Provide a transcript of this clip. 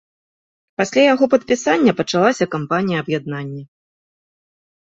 Пасля яго падпісання пачалася кампанія аб'яднання.